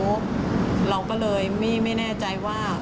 กระดิกนิ้วเราก็เลยไม่แน่ใจว่า